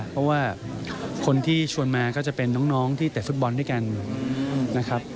เพราะว่าคนที่ชวนมาก็จะเป็นน้องที่เตะฟุตบอลด้วยกันนะครับ